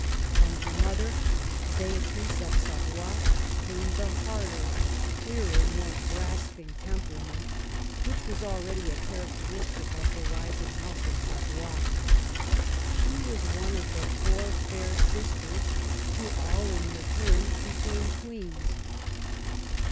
From her mother, Beatrice of Savoy, came the harder, clearer, more grasping temperament which was already a characteristic of the rising house of Savoy. She Avas one of four fair sisters, who all in their turn became queens.